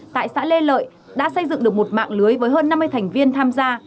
tại xã lê lợi đã xây dựng được một mạng lưới với hơn năm mươi thành viên tham gia